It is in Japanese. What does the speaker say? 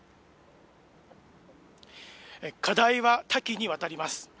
課題は多岐にわたります。